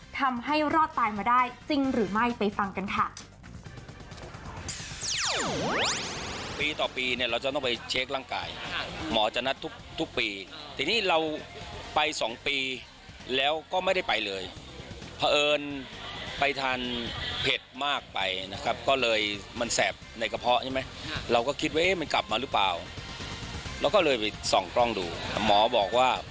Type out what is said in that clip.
ทำให้รอดตายมาได้จริงหรือไม่ไปฟังกันค่ะ